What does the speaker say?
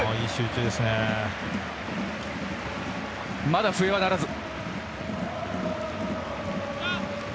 まだ笛は鳴らず。